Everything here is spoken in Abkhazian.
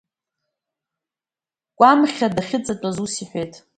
Қәамхьа дахьыҵатәаз ус иҳәеит…